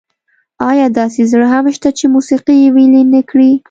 ایا داسې زړه هم شته چې موسيقي یې ویلي نه کړي؟